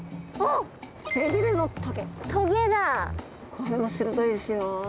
これも鋭いですよ。